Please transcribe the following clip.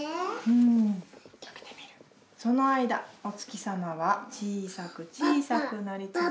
その間、お月様は小さく小さくなり続け。